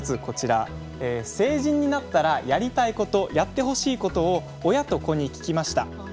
こちら「成人になったらやりたいことやってほしいこと」を親と子に聞きました。